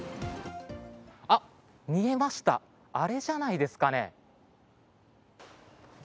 あっ、見えました、あれじゃないですかね。